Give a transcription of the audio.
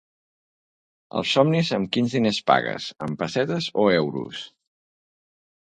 Als somnis amb quins diners pagues amb pessetes o euros?